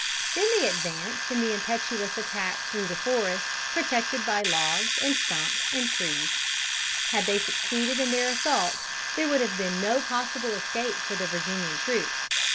Then they advanced in the impetuous attack through the forest, protected by logs, and stumps, and trees. Had they succeeded in their assault, there would have been no possible escape for the Virginian troops.